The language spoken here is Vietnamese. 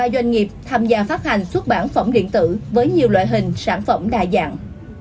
ba mươi doanh nghiệp tham gia phát hành xuất bản phẩm điện tử với nhiều loại hình sản phẩm đa dạng